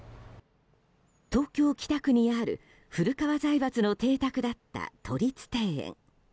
東京・北区にある古河財閥の邸宅だった都立庭園。